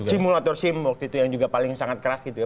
simulator sim waktu itu yang juga paling sangat keras gitu ya